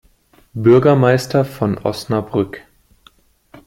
Bürgermeister von Osnabrück.